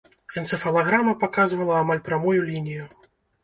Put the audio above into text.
Энцэфалаграма паказвала амаль прамую лінію.